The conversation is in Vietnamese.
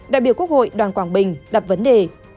đại biểu quốc hội đoàn quảng bình đặt vấn đề